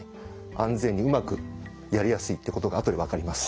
安全にうまくやりやすいってことが後で分かります。